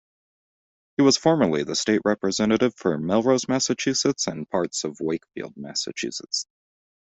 He was formerly the state representative for Melrose, Massachusetts and parts of Wakefield, Massachusetts.